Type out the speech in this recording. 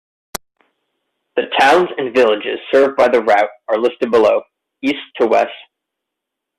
The towns and villages served by the route are listed below, East to West.